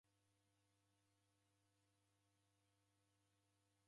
Sigha kuja sa fwandi